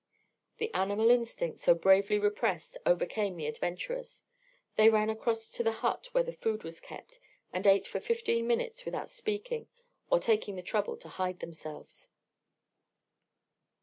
The animal instinct, so bravely repressed, overcame the adventurers. They ran across the open to the hut where the food was kept, and ate for fifteen minutes without speaking or taking the trouble to hide themselves.